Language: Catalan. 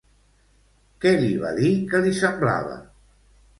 Què li va dir que li semblava?